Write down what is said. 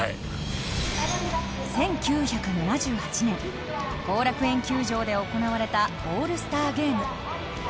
１９７８年後楽園球場で行われたオールスターゲーム。